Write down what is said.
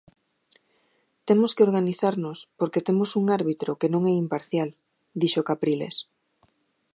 Temos que organizarnos, porque temos un árbitro que non é imparcial, dixo Capriles.